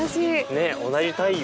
ねっ同じ太陽。